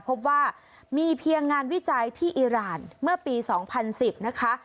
พบว่ามีเพียงงานวิจัยที่อิราณเมื่อปี๒๐๑๐นะคะ